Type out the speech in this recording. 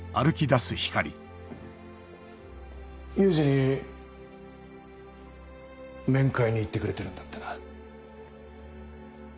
雄二に面会に行ってくれてるんだってな。